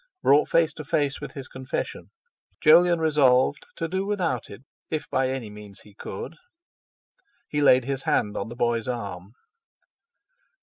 Brought face to face with his confession, Jolyon resolved to do without it if by any means he could. He laid his hand on the boy's arm.